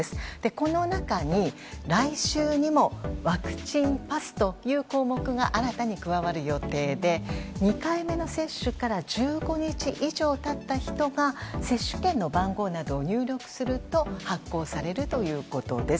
この中に来週にもワクチンパスという項目が新たに加わる予定で２回目の接種から１５日以上経った人が接種券の番号などを入力すると発行されるということです。